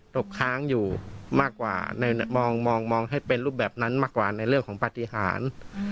ตกค้างอยู่มากกว่ามองให้เป็นรูปแบบนั้นมากกว่าในเรื่องของปฏิหาร